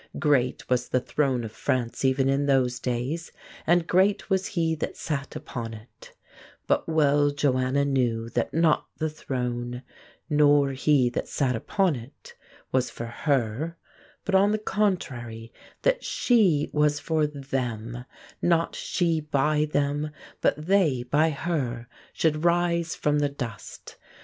Great was the throne of France even in those days, and great was he that sat upon it: but well Joanna knew that not the throne, nor he that sat upon it, was for her; but, on the contrary, that she was for them; not she by them, but they by her, should rise from the dust.